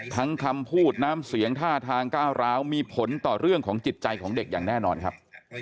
คำพูดน้ำเสียงท่าทางก้าวร้าวมีผลต่อเรื่องของจิตใจของเด็กอย่างแน่นอนครับ